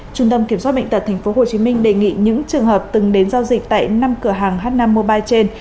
trung tâm kiểm soát bệnh tật tp hcm đề nghị những trường hợp từng đến giao dịch tại năm cửa hàng h năm mobile trên